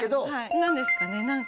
何ですかね何か。